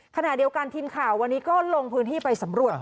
ขณะเดียวกันทีมข่าววันนี้ก็ลงพื้นที่ไปสำรวจ